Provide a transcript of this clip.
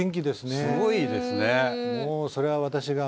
すごいですね。